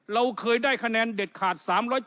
เราเคยได้คะแนนเด็ดขาด๓๗